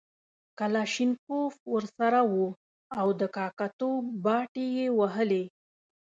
کلاشینکوف ورسره وو او د کاکه توب باټې یې وهلې.